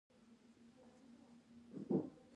لومړنۍ اړیکه کمپنۍ د اډې جوړېدو سره جوړه شوه.